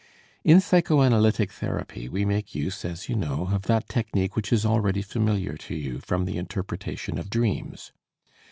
In psychoanalytic therapy we make use, as you know, of that technique which is already familiar to you from the interpretation of dreams.